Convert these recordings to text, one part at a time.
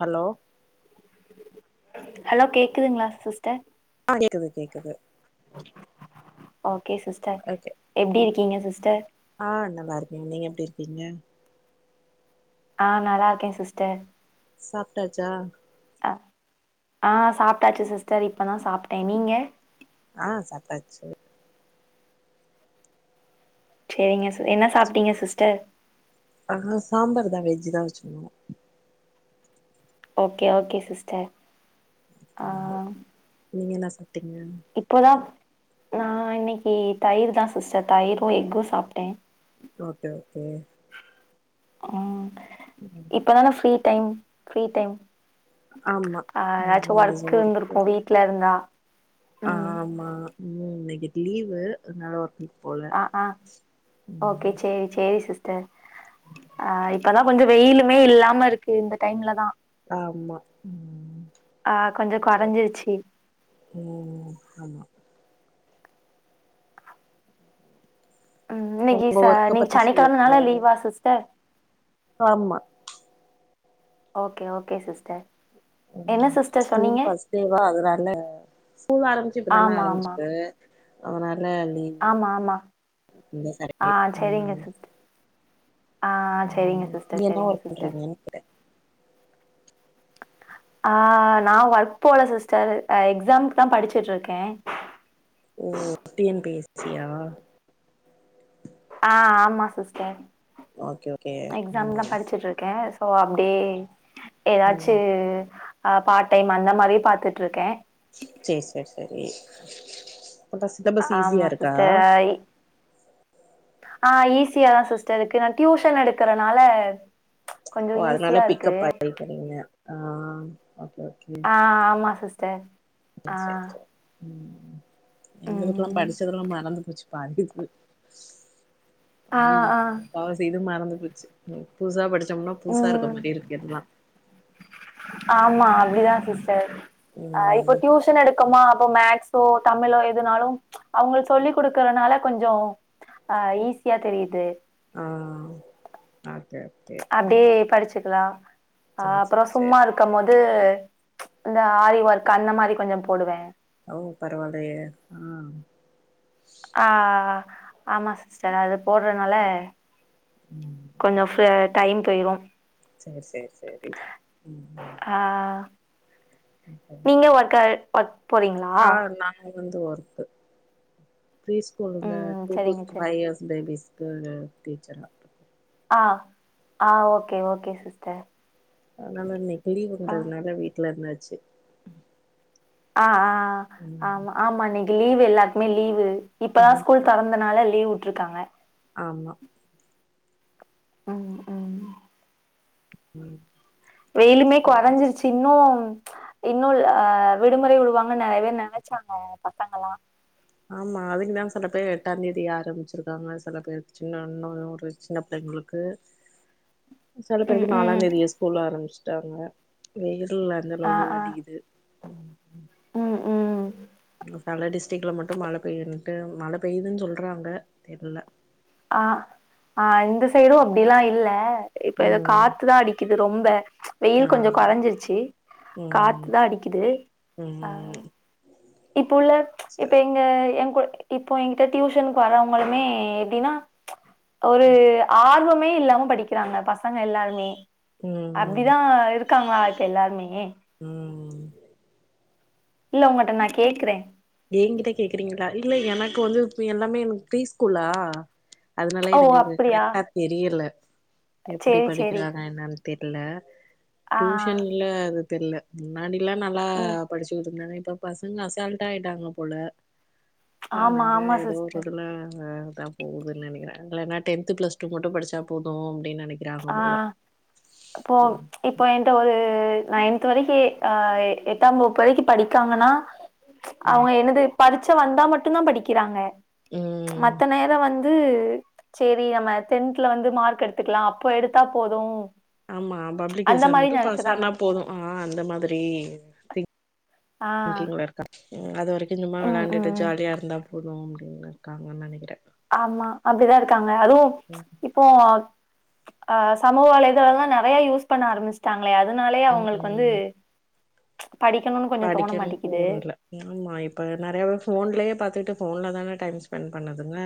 Hello hello கேக்குதுங்களா sister ஆ கேக்குது கேக்குது ஆ ஓகே சிஸ்டர் ஓகே எப்டி இருக்கீங்க சிஸ்டர் கிங்க ஆ நல்லா இருக்கே சிஸ்டர் சாப்ட்டாச்சா ஆ சாப்பிட்டாச்சி சிஸ்டர் இப்பதா சாப்பிட்டே நீங்க ஆ சப்டாச்சி சேரிங்க சிஸ் என்ன சாப்பிட்டீங்க சிஸ்டர் ஆ சாம்பார்தா வெஜ்ஜ்தா வச்சினோ ஓகே ஓகே சிஸ்டர் ஆ நீங்க என்னா சா இப்பதாப் நா இன்னிக்கு தயிர் தா சிஸ்டர் தயிரு எஃகு சாப்டே ஓகே ஓகே ஆ ம் இப்பதான ஃப்ரீ டைம் ப்ரீ டைம் ஆமா ஆ ஏதாச்சு நீங்க சொ ஒர்க் இருந்திருக்கு ஒரு வீட்ல இருந்தா ஆ ம் ஆமா ம் நகி லீவு நல ஒர்க் ஆ ஆ ஓகே சேரி சேரி சிஸ் டர், ஆ இப்பதா கொஞ்ச வெயிலுமே இல்லாம இருக்கு இந்த டைம்லதா ஆமா ம் ஆ கொஞ்சோ சரி கொறஞ்சிருச்சு ம் ஆமா ம் இன்னிக்கி உங்க ஒர்க்க சனி, பத்தி சொல்லுங்க சனிக்கெழமனால லீவா சிஸ்டர் ஆமா ஓகே ஓகே சிஸ்டர் என்ன ம் சிஸ்டர் ஸ்கூல் சொன்னீங்க பர்ஸ்ட் டேவா அதனால ஸ்கூல் ஆரம்பிச்சிட்டுதான ஆமா ஆமா ஆரம்பிச்சது அதனா இல்ல லீவு ஆமா ஆமா இந்த ஆ சனிகெழ செரிங்க ம் சிஸ்டர் ஆ சேரிங்க ம் நீ சிஸ்டர் என்ன சேரிங்க ஒர்க் சிஸ்டர் பண்றீங்கன்னு கேட்டே ஆ நா ஒர்க் போல சிஸ்டர் எக்ஸாம் தா படிச்சிட்ருக்கே ஓ டிஎன்பிஎஸ்சியா ஆ ஆமா சிஸ்டர் ஓகே ஓகே எக்ஸாம்தா ம் படிச்சிட்ருக்கே இருக்கே ஓ, அப்டே எதாச்சி ம் ஆ பார்ட் டைம் அந்த மாரி பாத்துட்ருக்கே சே சே சரி ஆமா சிஸ்டர் ஐயீ ஆ ஈசியாதா சிஸ்டர் இக்கு நா டியூஷன் எடுக்குறனால ஓ அதனால பிக்கப் ஆயக்கிறிங்க ஆ ஆ ஆமா சிஸ்டர் உ ஆ சேர் செரி எங்ளுக்ளா ம் படிச்சத்ளா மறந்து போச்சி பாரு ஆ ஆளில்லா ஆ அத செய்து மற போச்சு புதுசா படிச்சோம்னா புதுசா இருக்க ம் மாரி இருக்கு எல்லா கவிதா சிஸ் ஆ இப்போ ம் டியூசன் எடுக்குமா இப்ப மேக்ஸோ தமிழோ எதுனாலு ச் அவங்களுக் சொல்லி் கொடுக்கறனால கொஞ்சோ ஆ ஈஸியா தெரியுது ஆ ஓகே அப்டியே படிச்சுக்கலா அ சேரி அப்புறோ சேரி சேரி சும்மா இருக்கும் போது ச் இந்த ஆரி ஒர்க் அந்த மாரி கொஞ்சோ போடுவே ஓ பரவாயில்லயே ஆ ஆ ஆமா சிஸ்டர் அது போடுறனால ம் கொஞ்சோ ஃப டயம் போயிரு சேர் சேர் சேரி உ நீங்க ஒர்கா பத் போறீங்களா ஆ நாங்க வந்து ஒர்த்து ஃப்ரீ ஸ்கூலுங்க ம் டூ டூ சரிங்க சார் ஃபைவ் இயர்ஸ் பேபிஸ் கு டீச்சரா ஆ ஆ ஓகே ஓகே சிஸ்டர் அதனால இன்னிக் ஆ லீவுன்றதுனால வீட்டுல இருந்தா சரி ஆ ஆ ஆ ஆமா ஆமா நீ லீவ் எல்லாருக்குமே லீவு இப்பதா ஆமா ஸ்கூல் திறந்தனால லீவு ருக்காங்க ஆமா உ உ உ வெயிலுமே கொறைஞ்சிருச்சு இன்னு இன்னுல் விடுமுறை விடுவாங்கன்னு நறைய பேர் நனச்சாங்க பசங்கல்லா ஆமா அதுக்குதா சில பேர் எட்டாந் தேதி ஆரம்பிச்சிருக்காங்க சில பேர் சின்ன இன்னு ஒரு சின்ன பிள்ளைங்களுக்கு சில ம் பேருக்கு நாலாந் ம் தேதியெ ஸ்கூல் ஆரம்பிச்சு டாங்க வே உ வர்ல்ல [unintelligible] அடிக்குது ம் உ உ செல டிஸ்ட்க்ல மட்டு மழ பெயின்ட்டு மழ பெய்துன் சொல்றாங்க இல்ல ஆ ஆ இந்த சைடு அப்டிலா இல்ல இப்ப இத ம் காத்துதா அடிக்குது ரொம் ப வெயில் ஆ கொஞ்சோ குறைஞ்சிரிச்சி ம் காத்துதா அடிக்குது ஆ ம் இப்போ உள்ள இப்ப சரி எங்க எ கூட இப்போ என்கிட்ட டியூஷனுக்கு வரவங்களுமே எப்டின்னா ஒரு ஆர்வம் [unintelligible] இல்லாம படிக்கிறாங்க பசங்க எல்லாருமே ம் அப்டிதா இருக்காங்களா இப்ப எல்லாருமே ம் இல்ல உங்கட்ட நா கேக்கிறே என்கிட்ட கேக்குறீங்களா இல்ல எனக்கு வந்து இது எல்லாமே எனக்கு ப்ரீஸ்கூலா அதனால ஓ எனக்கு இது அப்டியா கரெக்ட்டா தெரியல எப்படி சேரி சேரி படிக்கிறாங்க என்னனு தெர்ல ஆ டியூஷன்ல [unintelligible] தெர்ல முன்னாடி எல்லாம் நல்லா ம் படிச்சுட்ருந்தாங் இபோ பசங்க அசால்ட் டா ஆயிட்டாங்க போல ஆனாலு ஆமா அது ஆமா ஏதோ ஒரு சிஸ்டர் இதுல தா போகுதுன் நெனைக்கிறே இல்லனா டென்த்து பிளஸ்டூ மட்டு படிச்சா போது அப்டின்னு நெனைக்கிறாங்க ஆ போல இப்போ ம் இப்போ என்ட்ட ஒரு நயன்த் த்து வரைக்கு ஆஹ எட்டாம் வகுப்பு வரைக்கு படிக்காங்கனா ச் ஆ அவங்க என்னது பரிச்ச வந்தா மட்டும்தா படிக்கிறாங்க ம் மத்த நேரவந் து சேரி நம்ம டென்த்ல வந்து மார்க் எடுத்துக்கலா அப்போ எடுத்தா போது ஆமா பப்ளிக் அந்த எக்ஸாம் மாரி மட்டு நெனச்சுறாங்க. பாஸானா போது ஆ அந்த மாதிரி ஆ ங்கிங்ள இருக்கா உ அது வரைக் [unintelligible] ம் விளயாண்டுட்டு ம் ஜாலியா இருந்தா போது இங் இருக்காங்கனு நினைக்கிறே ஆமா அப்டிதா இருக்காங்க அதுவு ச் ம் இப்போ ஆ சமூக வலைதலோலா நறைய யூஸ் பண்ண ஆரம்பிச்சுட்டாங்க அதனாலயே அவங்களுக்கு வந்து படிக்கணுன்னு கொஞ்சோ தோண படிக்கன்னு மாட்டேக்குது. தோனல ஆமா இப்ப நறைய பேரு ஃபோன்லயே பாத்துட்டு ஃபோன்ல தான டைம் ஸ்பெண்ட் பண்ணுதுங்க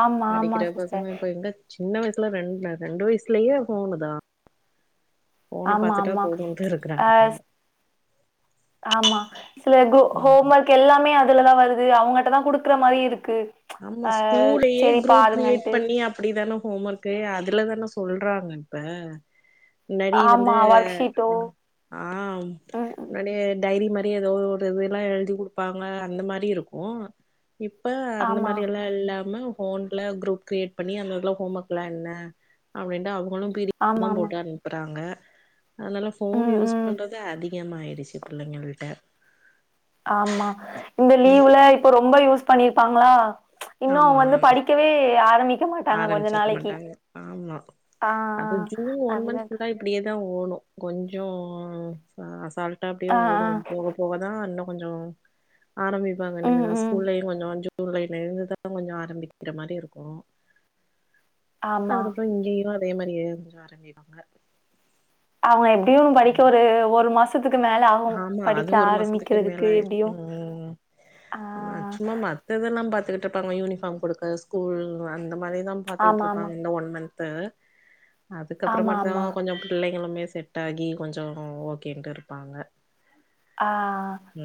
ஆமா ஆமா படிக்கிற சிஸ்டர். பசங்க இப்ப எங்க சின்ன வயசு ல ரெண் ரெண்டு வயசுலயே ஃபோணுதா ஃபோன ஆமா பாத்துட்டா ஆமா போதும்ன்ட்டு இருக்கறாங்க அ ஆமா சில கோ ஹோம் ம் ஒர்க் எல்லாமே துலதா வருது அவங்ட்டதா குடுக்குற மாரி இருக் ஆமா ஸ்கூலயே குரூப் கிரியேட் பாருங்கன்ட்டு பண்ணி அப்படித்தான ஹோம் ஒர்க்க அதுலதானே சொல்றாங்கப்ப முன்னாடி வந்து ஆமா ஒர்க் ஷீட்டோ ஆ ம் ம் முன்னாடிய டைரி மாரி ஏதோ ஒரு இதல்லா எழுதி கொடுப்பாங்க அந்த மாரி இருக்கு இப்ப அந்த ஆமா மாரி எல்லா இல்லாம ஃபோன்ல குரூப் கிரியேட் பண்ணி அங்க உள்ள ஹோம் ஒர்க்லா என்ன அப்படின்னுட்டு அவ மளு பீடி [inaudible] தா ஆமா ஆமா போட்டு அனுப்புறாங்க அதனால ஃபோன் ம் யூஸ் ம் பண்றது அதிகமாயிடுச்சு பிள்ளைங்களுட்ட ஆமா இந்த லீவுல இப்ப ரொம்ப யூஸ் பண்ணிருப்பாங்களா இன்னு அவங்க ஆமா வந்து படிக்கவே ஆரமிக்க ஆரம்பிச்சிருக்க மாட்டாங்க ஆமா ஆ அது ஆ ஜூன் ஒன் மந்த் அதுதா [unintelligible] இப்படியேதா தஓடு கொஞ்சோ அசால்ட் ட்டா அப்டியே ஆ ஓடு ஆ போக போகதா இன்னு கொஞ்சோ ஆரம்பிப்பாங்க ம் இனிமேதா ம் ஸ்கூல்லயு கொஞ்சோ கொஞ்சோ ஜூலையில இருந்து தா கொஞ்சோ ஆரம்பிக்கிற மாரி இருக்கு ஆமா அதுக்கப்புறோ இங்கயலா அதே மாரியே கொஞ்ச ஆரம்பிப்பாங்க அவங்க எப்டியு படிக்க ஒரு மாசத்து ஆமா அது ஒரு மாசத்துக்கு மேல ஆயிரு உ எப்படியும். ஆ சும்மா மத்ததெல்லா த்துட்டு இருப்பாங்க யூனிஃபார்ம் குடுக்க ஸ்கூல் வந் இந்த மாரி தா பாத்துடு ஆமாமா. இருபாங்க இந்த ஒன் மந்த் ஆ அதுக்கப்புற மட்டுன் ஆமாமா. கொஞ்ச பிள்ளைங்களுமே செட் ஆகி கொஞ்ச ஓகேன்ட்டு இருப்பாங்க ஆ உ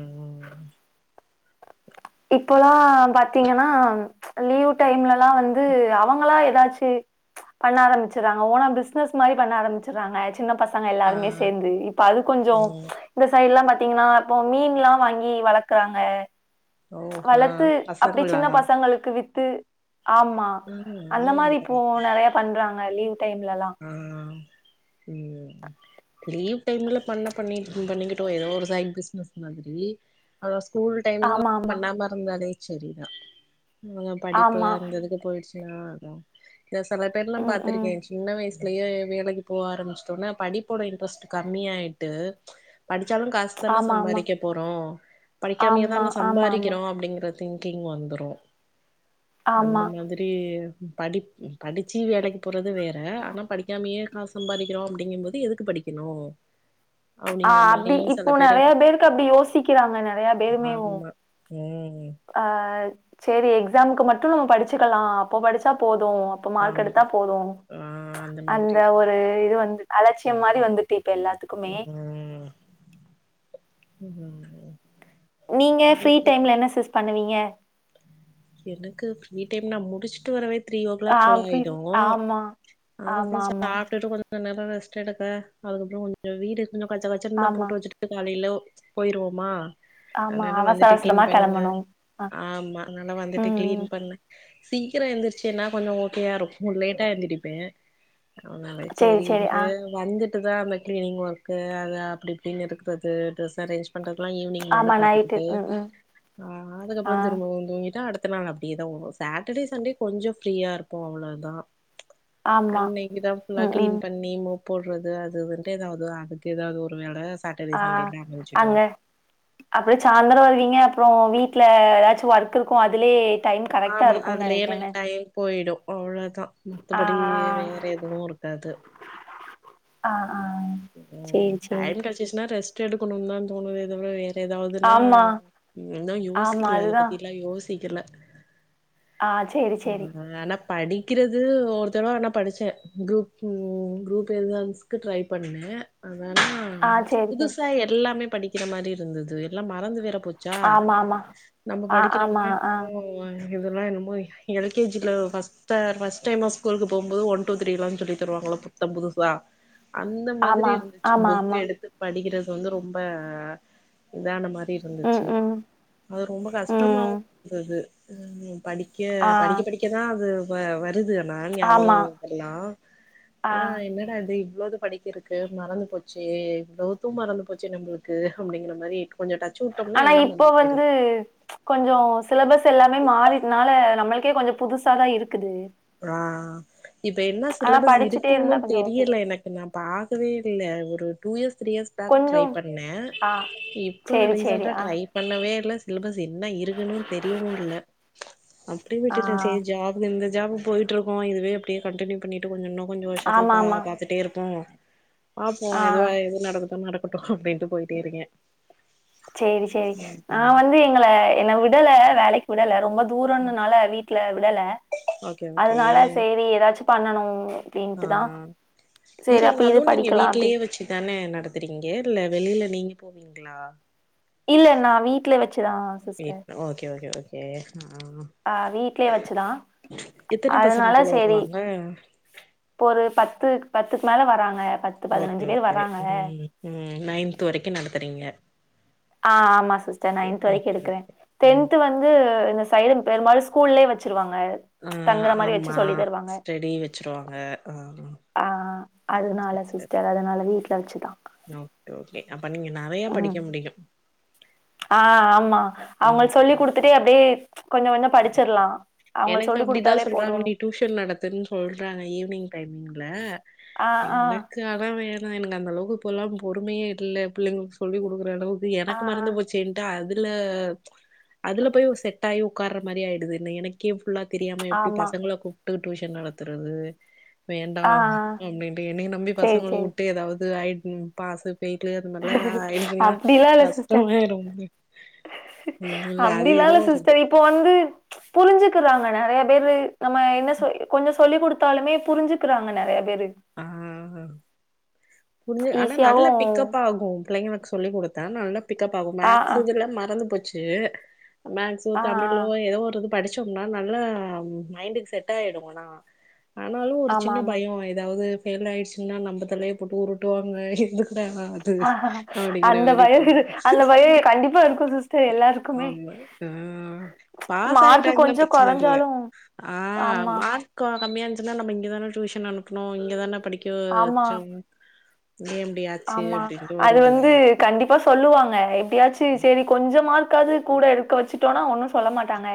இப்பலா பாத்தீங்கன்னா ச் அ லீவ் வுட்டா எங்கனா ல வந்து அவங்களா எ தாச்சு பண்ண ஆரம்பச்சர்றாங்க ஓனா பிஸ்னஸ் மாரி பண்ண ஆரம்பச்சர்றாங்க சின்ன பசங்க ஆ எல்லாருமே சேந்து இப்ப அது கொஞ்சோ ம் இந்த சைடு எல்லா பா த்தீங்ன்னா இப்போ மீன்லா வாங்கி வளக்குறாங்க ஓ ஆ வளத்து அப்டியே பசங்களா சின்ன பசங்களுக்கு வி த்து ஆமா ம் ஆ அந்த மாரி இப்போ பர நெறைய பண்றாங்க லீவ் டைம்லலாம். ஆ ம் லீவ் டைம்ல பண்ணா பண்ணி பண்ணிக்கிட்டு எதோ ஒரு சைடு பிசினஸ் மாதிரி ஆனா ஸ்கூல் டைமிங்ல ஆமா, ஆமா. பண்ணாம இருந்தாலே சரிதா அவங்க படிப்பு ஆமா. அந்த இதுக்கு போயிடுச்சு பாத்தீங்ளா அதா ஆ சில பேர்லா ம், ம். பாத்திருக்கே சின்ன வயசுலயே வேலைக்கி போக ஆரம்பிச்சுட்டோமன்னா படிப்போட இன்ட்ரெஸ்ட் கம்மி ஆயிட்டு படிச்சாலு காசுதான ஆமா, ஆமா. சம்பாரிக்க போறோ ஆமா, படிக்காமயேதான ஆமா, ஆமா. சம்பாரிக்கிறோ அப்டிங்கற திங்கிங் வந்துரு அந்த ஆமா. மாதிரி ம் படி ம் படிச்சு வேலைக்கு போறது வே ற ஆனா படிக்காமயே காசு சம்பாரிக்கிறோ அப்டிங்கும் போது எதுக்கு படிக்கணு ஆ அப்டிங்கிற அப்டி மாரியே சில இப்போ பேரு நெறைய பேருக்கு அப்டி யோசிக்கிறாங்க நெறையா பேருமேவு ஆமா ம் ஆ செரி எக்ஸாமுக்கு மட்டு நம்ம படிச்சுக்கலா அப்போ படிச்சா போ து அப்ப மார்க் எடுத்தா ஆமா போது ஆ மாதிரி அந்த இருக்கறா ஒரு இது வந்து அலட்சி யோ மாரி வந்துட்டு இப்ப எல்லாத்துக்குமே. ம் ம் ம் ம் ம் நீங்க ஃப்ரீ டைம்ல என்ன சிஸ் பண்ணுவீங்க எனக்கு ஃப்ரீ டைம் நா முடிச்சுட்டு வரவே த்ரீ ஓ ஆ கிளாக் போல ஃப்ரீ ஆயிடு ஆமா. அங்க போய் ஆமாமா. சாப்டுட்டு கொஞ்சோ நா நல்லா ரெஸ்ட் எடுக்க அதுக்கப்புறோ கொஞ்ச வீடு ன் கச்சக்கச்சதா ஆமா. போட்டு வச்சுட்டு காலையில போயிருவோமா ஆமா. அனன அவசர வந்துட்டு அவசரமா கிளீன் பண்ணே கெளம்பணும். அ. ஆமா னால வந்துட்டு ம், கிளீன் ம். பண்ண சீக்கிரோ எழுந்திருச்சின்னா கொஞ்ச ஓகேயா இருக்கு லேட்டா எழுந்திரிப்பே அவனலே சரி, சரி. சேரிண்டு ஆ. வந்து ட்டுதா அந்த கிளீன் ஒர்க் அது அப்பிடி இப்பிடின்னு இருக்கிறது டிரஸ் அரேஞ்ச் பண்ற லா ஈவினிங் மேல ஆமா நைட்டு பாத்துக்கிட்டு் ம் ம் ஆ அதுக்கப்புறோ திரும்பவு ய்ட்டா அடுத்த நாள் அப்பிடியேதா ஓடு சாட்டர்டே சண்டே கொஞ்சோ ஃப்ரீயா இருக்கு அவ்வளதா ஆமா அன்னிக்குதா ஃபுல்லா ம் கிளீன் ம் பண்ணி மோ போடறது அது வந்துட்டு எதாவது அதுக்கு எதாவது ஒரு வேட ஆ அங்க அப்புறோ சாயந்திரோ வருவீங்க அப்புறோ வீட் ட்ல எதாச்சு ஒர்க் இருக்கு அதுலியே ஆமா அதுலியே எனக் டைம் போயிடு அவ்ள தா ஆ மத்தபடி வேற எதுவு இருக்காது ஆ ஆ ம் சேரி சேரி டைம் கடைச்சசினா ரெஸ் த்து எடுக்கணுதா தோணுதே தவற ட்டு எதாவதுன்னா ஆமா இன்னு ஆமா யோசிக்கல அத அதுதான் பத்திலா யோசி தெர்ல ஆ சேரி சேரி படிக்கிறது ஒரு தடவ ஆனா படிச்சே குரூப்பு குரூப் எழுதவமீஸ்க்கு ட்ரைப் பண்ணே ஆ ஆனா ஆ சேரி சேரி புதுசா எல்லாமேப் படிக்கிற மாரி இருந்தது எல்லா மறந்து வேற போச்சா ஆமா ஆமா நம்ம ஆ படிக்கற ஆமா ஆ [inaudible] இதல்லா என்னமோ எல் கே ஜி ல ஃபஸ்ட் ட ஃபஸ்ட் டைமா ஸ்கூலுக்கு போகும் போது ஒன் டு த்ரீ எல்லாஞ் சொல்லி தருவாங்கல்ல புத்தம் புதுசா அந்த மாதிரி ஆமா இருந்துச்சு ஆமா புக் ஆமா எடுத்து படிக்கறது வந்து ரொம்ப இதான மா ரி ம் இருந்துச்சு ம் அது ரொம்ப கஷ்டமாவு ம் இருந்துது செரிங் தோழி படிக்க ஆ படிக்க படிக்கதா அது வ வருது ன ஞாபகோ ஆமா வர்தல்லா ஆனா ஆ என்னடா இது இவ்ளோ இது படிக்கறக்கு மறந்து போச்சே இவ்ளோ இது மறந்து போச்சே நம்பளுக்கு அப்டிங்ற மாரி கொஞ்சோ டச்சு விட்டோம்னா ஆனா எல்லா இப்போ மறந்து போயிரு வந்து கொஞ்ச சிலபஸ் எல்லாமே மாறிட்னால நம்மளக் கே கொஞ்ச புதுசாதா இருக்குது ஆ இப்ப என்ன ஆனா சிலபஸ் படிச்சுட்டே இருக்குன்னு இருந்தா கொஞ்சம் ஓகே. தெரியல எனக்கு நா பாக்கவே இல்ல ஒரு two years three years back try கொஞ்சம் பண்ணே ஆ இப்ப சரி, சரி. ரீசண்டா ஆ, ட்ரை பண்ணவே இல்ல சிலபஸ் என்ன இருக்குன்னு தெரியவு இல்ல அப்டியே ஆ விட்டுட்டே சேரி ஜாப்ல இந்த ஜாபு போயிட்ருக்கோ இதுவே அப்டியே கண்டினியூ பண்ணிட்ருப்போ கொஞ்ச இன்னு கொஞ்ச வருஷத்துக்கு பா ஆமாமா. பாத்துட்டே இருப்போ பாப்போ ஆ எதுவா எது நடக்குதோ நடக் போட்டுக்கோ அப்டின்ட்டு போயிட்டே இருக்கே சேரி சேரி ம் நா ம் வந்து எங்கள என்ன விடல வேலைக் கூட இல்ல ரொம்ப தூரோன்னுனால வீட்ல விடல ஓகே ஓகே அதனால சேரி ஏதாச்சு பண்ணணு ஆ இது டியூஷன்னாலு நீங்க படிக்கலாம் வீட்லயே அப்டின்னு. வச்சுதான நடந்துறீங்க இல்ல வெளில நீங்க போவீங்களா இல்ல நா வீட்டுல வச்சு கே ஓகே ஓகே ஓ கே அ வீட்லயே வச்சுதா எத்தன பசங்க அதனால போல சேரி வருவாங்க இப்ப ஒரு பத்து பத்துக்கு மேல வராங்க ஓகே பேர் ஓகே வராங்க. ம் ம் நைன்த் வரைக்கு நடத்துறீங்க ஆ ஆமா சிஸ்டர் நைன்த் வரைக்கு ஓகே எடுக்கிறே ஓகே ம் டென்த் வந்து இந்த சைடு பெருபாலு ஸ்கூல்லே வச்சிருவாங்க ம் ஆமா ஸ்டடி வச்சிருவாங்க ஆ ஆ அதனால சேரி சேரி சிஸ்டர். அதனால வீட்ல வச்சு தான். ஓகே ஓகே அ ப்ப நீங்க நெறைய ம். படிக்க முடியு ஆ ஆமா ம் அவங்கள் சொல்லிடுத்துட்டே அப்படியே எனக்கு சொல்லிக் அப்படிதா குடுத்தாலே சொல்றாங்க போதும்னு. நீ டியூஷன் நடத்துன்னு சொல்றாங்க ஈவினிங் டைமிங் ல ஆ ஆ. எனக்கு ஆனா வே நா எனக்கு அந்த அளவுக்கு இப்பல்லா பொறுமையே இல்ல பிள்ளைங்களுக்கு சொல்லி கொடுக்குற அளவுக் ஆ எனக்கு ஆ. மறந்து போச்சேன்ட்டு அது அதுல அதுல போய் செட் ஆயி உக்காற மாரி ஆயிடுதுனு எனக்கே ஃபுல்லா தெரியாம எப்படி ஆமா. பசங்கள கூப் டு டியூஷன் நடத்துறது வேண்டா ஆ ஆ. அப்படின்ட்டு என்னைய நம்பி சரி, பசங்கள சரி. விட்டு ஏதாவது ஆயி ம் பாசு [unintelligible] எதாவது ஆயிடுச்சுன்னா அப்டிலாம் இல்ல சிஸ்டர். கஷ்டம் ஆகிடு ம் இல்ல அது அப்டிலா எதோ இல்ல வருது சிஸ்டர் இப்போ வந்து புரிஞ்சுக்குறாங்க நெறைய பேரு நம்ம என்ன சொ கொஞ்சோ சொல்லி கொடுத்தாலுமே புரிஞ்சுக்கிறாங்க நெறைய பேரு ஆ புரிஞ்சு ஆனா ஈஸியாவு நல்லா பிக்கப் ஆகும் பிள்ளைங்களுக்கு சொல்லி கொடுத்தா நல்ல பிக்கப் ஆகு ஆ மேக்ஸ் ஆ இதுல மறந்து போச்சு [unintelligible] மேக்ஸோ ஆ ஆ தமிழோ எதோ ஒரு இது படிச்சோம்னா நல்லா மைண்டுக்கு செட் ஆயிடு ஆனா ஆனாலு ஒரு ஆமா சின்ன ஆமா பயோ ஆயு அதாவது ஃபெயில் ஆயிடுச்சுங்னா நம்ப தலைய போட்டு உருட்டுவாங்க எதுக் ல்ல அது ஆஹா. அப்பிடிங்ற அந்த மாரி பயோ தோணு இரு அந்த பயோ கண்டிப்பா இருக்கு சிஸ்டர் எல்லாருக்குமே ஆமா ஆ பாஸ் மார்க் ஆயிட்டாங்னா கொஞ்சோ பிரச்சன இல்ல கொறஞ்சாலு ஆ ஆமா மார்க் அ கம்மியா இஞ்சுனா நம்ம இங்க தான டியூஷன் அனுப் புனு இங்க தான படிக் கியோ ஆமா சிம் ஆமா அது வந்து கண்டிப்பா சொல்லுவாங்க எப் டியாச்சி சேரி கொஞ்சமா இருக்காது கூட இருக்க வச்சுட்டோனா ஒன்னு சொல்ல மாட்டாங்க